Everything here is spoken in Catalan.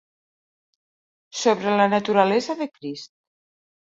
Sobre la naturalesa de Crist.